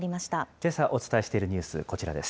けさお伝えしているニュース、こちらです。